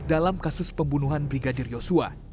dalam kasus pembunuhan brigadir yosua